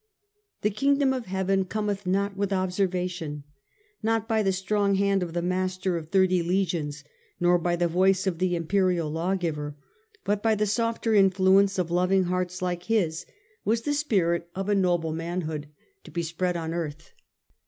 * The kingdom of heaven cometh not with observa tion.' Not by the strong hand of the master of thirty legions, nor by the voice of the imperial lawgiver, but by the softer influence of loving hearts like his, v/as 1 20 The Age of the Antonincs. a.^ the spirit of a nobler manhood to be spread on earth.